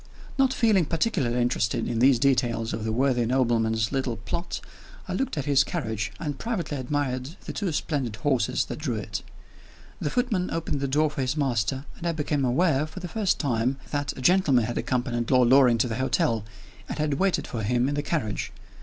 Not feeling particularly interested in these details of the worthy nobleman's little plot, I looked at his carriage, and privately admired the two splendid horses that drew it. The footman opened the door for his master, and I became aware, for the first time, that a gentleman had accompanied Lord Loring to the hotel, and had waited for him in the carriage.